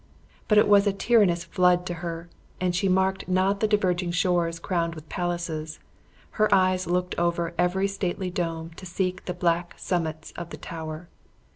But it was a tyrannous flood to her, and she marked not the diverging shores crowned with palaces; her eyes looked over every stately dome to seek the black summits of the Tower.